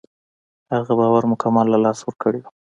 هغه باور مکمل له لاسه ورکړی و.